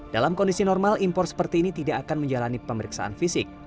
dalam kondisi normal impor seperti ini tidak akan menjalani pemeriksaan fisik